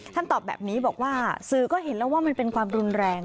ตอบแบบนี้บอกว่าสื่อก็เห็นแล้วว่ามันเป็นความรุนแรง